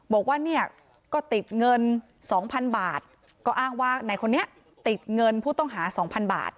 บอกว่าเนี่ยก็ติดเงิน๒๐๐๐บาทก็อ้างว่าในคนนี้ติดเงินผู้ต้องหา๒๐๐บาท